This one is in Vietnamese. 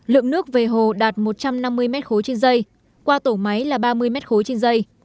lượng nước về hồ đạt một trăm năm mươi m ba trên dây qua tổ máy là ba mươi m ba trên dây